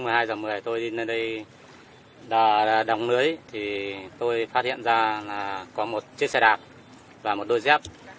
một mươi hai h một mươi tôi đi lên đây đóng lưới thì tôi phát hiện ra là có một chiếc xe đạp và một đôi dép